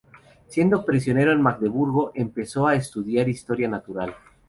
Siendo prisionero en Magdeburgo, empezó a estudiar historia natural.